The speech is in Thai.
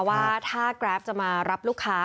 ว่าถ้าแกรปจะมารับลูกค้า